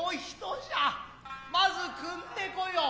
まず汲んで来よう。